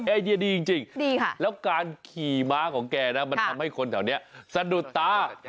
ไอเดียดีจริงแล้วการขี่ม้าของแกนะมันทำให้คนแถวนี้สะดุดตา